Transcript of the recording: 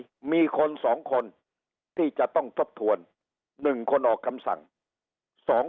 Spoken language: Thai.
หายมีคนสองคนที่จะต้องทบทวนหนึ่งคนออกคำสั่งสอง